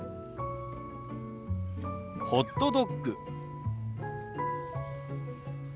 「ホットドッグ」。